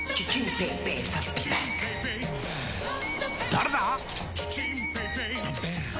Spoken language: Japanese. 誰だ！